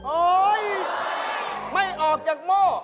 โอ๊ยไม่ออกจากหม้อ